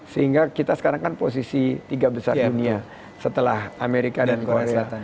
sehingga kita sekarang kan posisi tiga besar dunia setelah amerika dan korea selatan